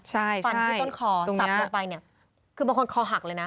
ใช่ตรงนี้ฝันที่ต้นคอซับลงไปคือบางคนคอหักเลยนะ